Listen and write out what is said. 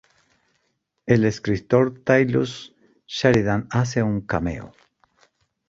El escritor Taylor Sheridan hace un cameo.